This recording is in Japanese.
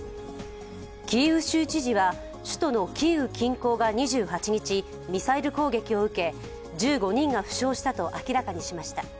キーウ州知事は、首都のキーウ近郊が２８日、ミサイル攻撃を受け、１５人が負傷したと明らかにしました。